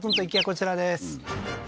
こちらです